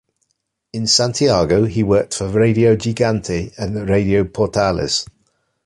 In Santiago he worked for Radio Gigante and Radio Portales.